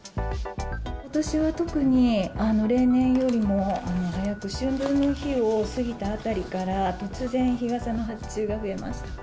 ことしは特に、例年よりも早く、春分の日を過ぎたあたりから、突然、日傘の発注が増えました。